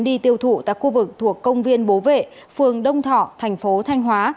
đi tiêu thụ tại khu vực thuộc công viên bố vệ phường đông thọ tp thanh hóa